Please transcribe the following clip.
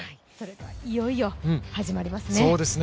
いよいよ始まりますね。